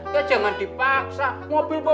ya jangan dipaksa